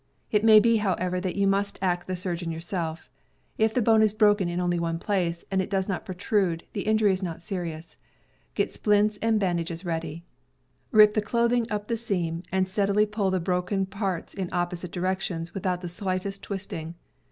It may be, however, that you must act the surgeon yourself. If the bone is broken in only one place, and it does not protrude, the injury is not serious. Get splints and bandages ready. Rip the clothing up the seam, and steadily pull the broken parts in opposite directions, without the slightest twisting.